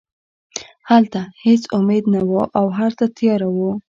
هلته هېڅ امید نه و او هرڅه تیاره وو